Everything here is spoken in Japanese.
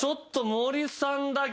森さんだけ。